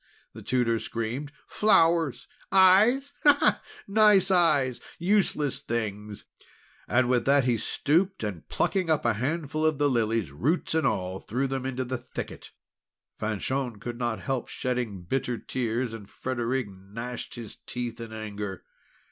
the Tutor screamed. "Flowers! eyes? Ha! Ha! Nice eyes! Useless things!" And with that he stooped, and plucking up a handful of the lilies, roots and all, threw them into the thicket. Fanchon could not help shedding bitter tears, and Frederic gnashed his teeth in anger.